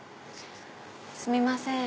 すみません